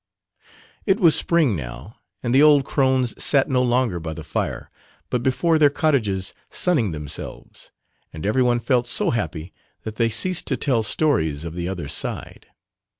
It was spring now and the old crones sat no longer by the fire but before their cottages sunning themselves, and everyone felt so happy that they ceased to tell stories of the "other side."